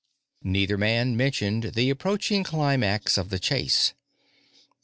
Neither man mentioned the approaching climax of the chase.